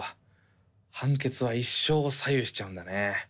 判決は一生を左右しちゃうんだね。